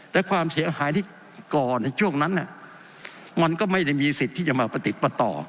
และความเสียหายที่ก่อในช่วงนั้นมันก็ไม่ได้มีสิทธิ์ที่จะมาประติดประต่อ